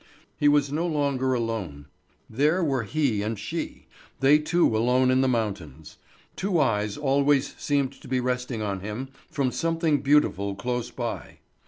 He was no longer alone; there were he and she, they two alone in the mountains. Two eyes always seemed to be resting on him from something beautiful close by.